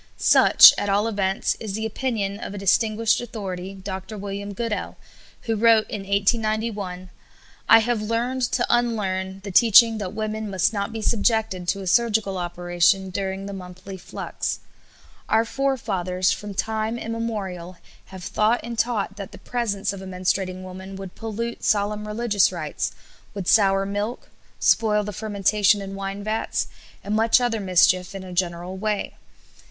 Such, at all events, is the opinion of a distinguished authority, Dr. William Goodell, who wrote in 1891: "I have learned to unlearn the teaching that women must not be subjected to a surgical operation during the monthly flux. Our forefathers, from time immemorial, have thought and taught that the presence of a menstruating woman would pollute solemn religious rites, would sour milk, spoil the fermentation in wine vats, and much other mischief in a general way.